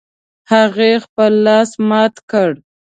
هغې خپل لاس مات کړ